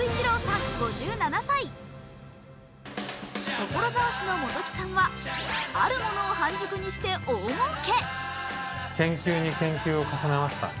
所沢市の本木さんはあるものを半熟にして大もうけ。